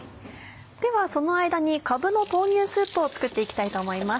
ではその間にかぶの豆乳スープを作って行きたいと思います。